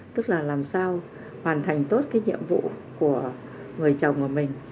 tức là làm sao hoàn thành tốt cái nhiệm vụ của người chồng của mình